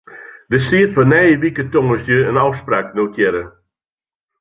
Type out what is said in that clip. Der stiet foar nije wike tongersdei in ôfspraak notearre.